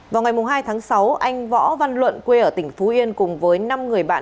vào ngày hai tháng sáu anh võ văn luận quê ở tỉnh phú yên cùng với năm người bạn